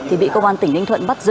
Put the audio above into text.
thì bị công an tỉnh ninh thuận bắt giữ